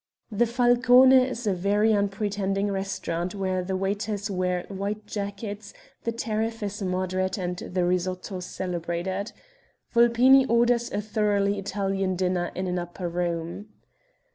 The 'Falcone' is a very unpretending restaurant where the waiters wear white jackets; the tariff is moderate and the risotto celebrated. Vulpini orders a thoroughly Italian dinner in an upper room.